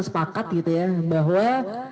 sepakat gitu ya bahwa